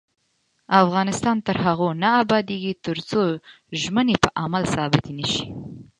افغانستان تر هغو نه ابادیږي، ترڅو ژمنې په عمل ثابتې نشي.